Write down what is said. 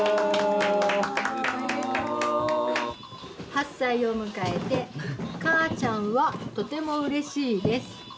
「８歳を迎えて母ちゃんはとてもうれしいです。